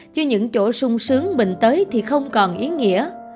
chứ những chỗ sung sướng mình tới thì không còn ý nghĩa